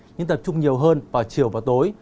nhưng tập trung nhiều hơn vào chiều và tối